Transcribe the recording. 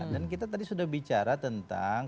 dan kita tadi sudah bicara tentang